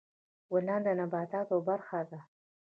ګلان د نباتاتو برخه ده.